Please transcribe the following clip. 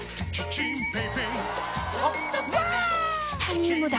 チタニウムだ！